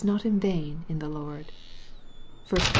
not in vain in the Lord." (1 Cor.